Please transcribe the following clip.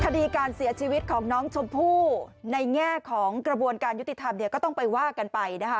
คดีการเสียชีวิตของน้องชมพู่ในแง่ของกระบวนการยุติธรรมเนี่ยก็ต้องไปว่ากันไปนะคะ